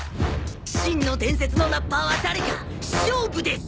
真の伝説のラッパーは誰か勝負デス！